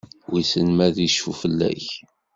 Wissen ma ad icfu fell-ak?